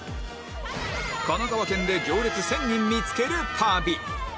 神奈川県で行列１０００人見つける旅